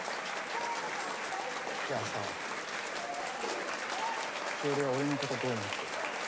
じゃあさ日和は俺のことどう思ってる？